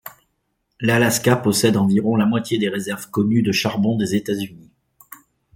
L'Alaska possède environ la moitié des réserves connues de charbon des États-Unis.